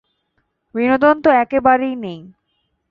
বিনোদন তো একেবারেই নেই।